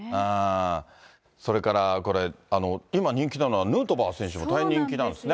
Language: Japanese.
それからこれ、今、人気なのは、ヌートバー選手も大変人気なんですよね。